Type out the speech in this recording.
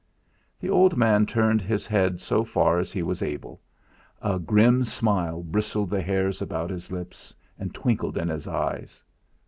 The old man turned his head so far as he was able; a grim smile bristled the hairs about his lips, and twinkled in his eyes.